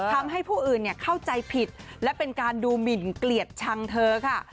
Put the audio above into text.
ทำให้ผู้อื่นเข้าใจผิดและเป็นการดูหมินเกลียดชังเธอค่ะ